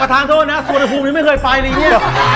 ประธานโทษนะสวทธภูมิไม่เคยไปหรือนี่